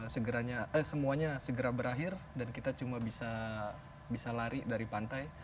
semuanya eh semuanya segera berakhir dan kita cuma bisa lari dari pantai